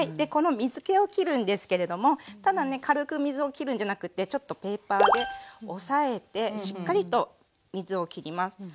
この水けをきるんですけれどもただね軽く水をきるんじゃなくてちょっとペーパーで押さえてしっかりと水をきります。